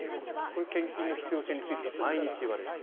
これ、献金の必要性について毎日言われると。